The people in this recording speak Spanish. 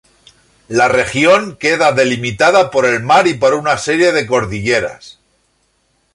La región queda delimitada por el mar y por una serie de cordilleras.